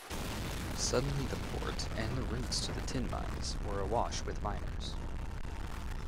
Suddenly the port, and the routes to the tin mines, were awash with miners.